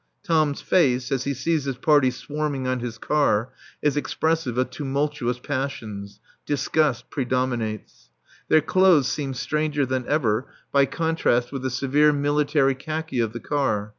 Tom's face, as he sees this party swarming on his car, is expressive of tumultuous passions. Disgust predominates. Their clothes seem stranger than ever by contrast with the severe military khaki of the car.